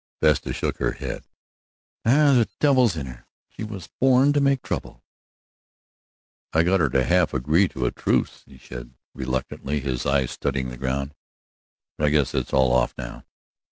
Vesta shook her head. "The devil's in her; she was born to make trouble." "I got her to half agree to a truce," said he reluctantly, his eyes studying the ground, "but I guess it's all off now."